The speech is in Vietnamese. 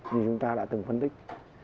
như chúng ta đã từng phân tích